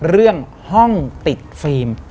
เรื่องห้องติดฟิล์ม